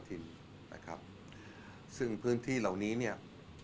ที่เดียวนาทนี่นะครับซึ่งพื้นที่เหล่านี้เนี่ย